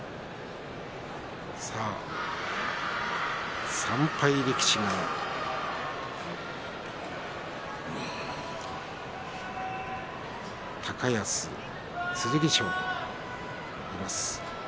さあ、３敗力士が高安、剣翔といます。